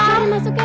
silakan masuk kek